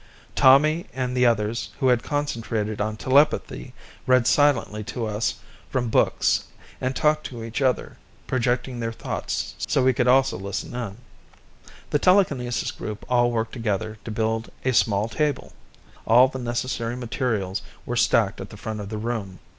Tommy and the others who had concentrated on telepathy read silently to us from books and talked to each other, projecting their thoughts so we could also listen in. The telekinesis group all worked together to build a small table. All the necessary materials were stacked at the front of the room.